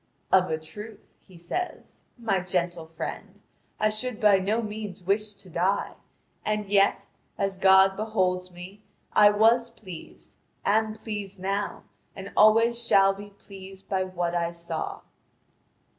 "Of a truth," he says, "my gentle friend, I should by no means wish to die; and yet, as God beholds me, I was pleased, am pleased now, and always shall be pleased by what I saw."